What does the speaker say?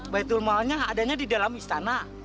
baitulmalnya adanya di dalam istana